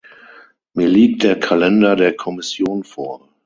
Mir liegt der Kalender der Kommission vor.